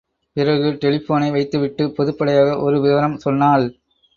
பிறகு டெலிபோனை வைத்துவிட்டு பொதுப்படையாக ஒரு விவரம் சொன்னாள்.